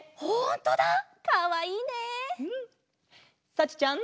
さちちゃん。